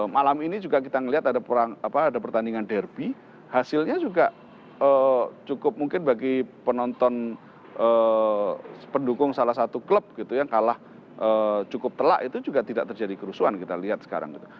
malam ini juga kita melihat ada pertandingan derby hasilnya juga cukup mungkin bagi penonton pendukung salah satu klub gitu yang kalah cukup telak itu juga tidak terjadi kerusuhan kita lihat sekarang gitu